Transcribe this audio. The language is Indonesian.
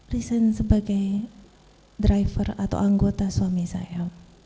resign sebagai driver atau anggota suami saya